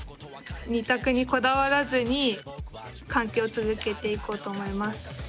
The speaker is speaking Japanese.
２択にこだわらずに関係を続けていこうと思います。